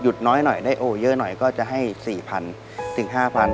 น้อยหน่อยได้โอเยอะหน่อยก็จะให้๔๐๐ถึง๕๐๐บาท